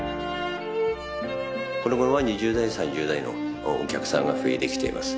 このごろは２０代３０代のお客さんが増えてきています